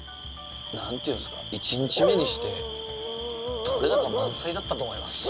なんていうんすか、１日目にして撮れ高満載だったと思います。